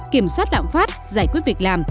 kiểm soát lãng phát giải quyết việc làm